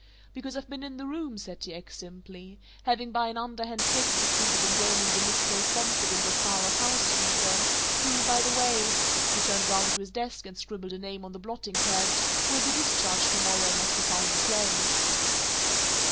"Because I've been in the room," said T. X. simply, "having by an underhand trick succeeded in gaining the misplaced confidence of Kara's housekeeper, who by the way" he turned round to his desk and scribbled a name on the blotting pad "will be discharged to morrow and must be found a place."